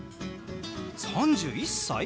３１歳？